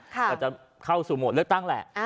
ก็จะเข้าสู่โหมดเลือกตั้งแหละ